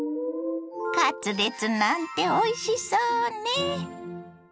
カツレツなんておいしそうね。